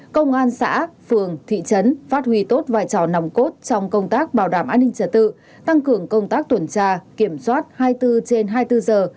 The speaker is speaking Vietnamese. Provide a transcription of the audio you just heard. công an xã phường thị trấn phát huy tốt vai trò nòng cốt trong công tác bảo đảm an ninh trả tự tăng cường công tác tuần tra kiểm soát hai mươi bốn trên hai mươi bốn giờ